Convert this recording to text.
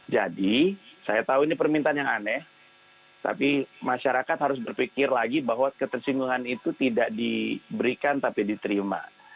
jadi saya tahu ini permintaan yang aneh tapi masyarakat harus berpikir lagi bahwa ketersinggungan itu tidak diberikan tapi diterima